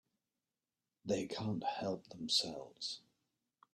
They can't help themselves.